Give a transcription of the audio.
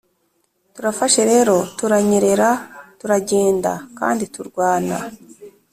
turafashe rero turanyerera turagenda kandi turwana